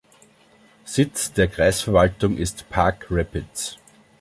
Sitz der Kreisverwaltung ist Park Rapids.